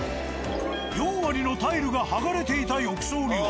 ４割のタイルが剥がれていた浴槽には。